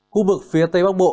khu vực phía tây bắc bộ